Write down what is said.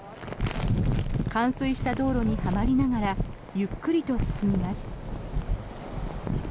冠水した道路にはまりながらゆっくりと進みます。